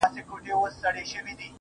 زه خو یارانو نامعلوم آدرس ته ودرېدم ~